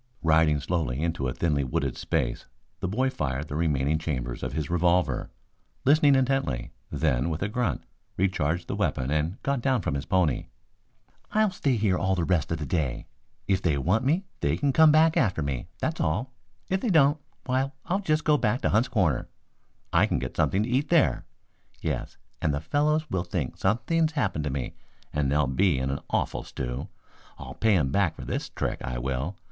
Riding slowly into a thinly wooded space the boy fired the remaining chambers of his revolver, listening intently, then, with a grunt, recharged the weapon and got down from his pony. "I'll stay here all the rest of the day. If they want me they can come back after me, that's all. If they don't, why I'll just go back to Hunt's Corners. I can get something to eat there. Yes, and the fellows will think something's happened to me and they'll be in an awful stew. I'll pay 'em back for this trick, I will.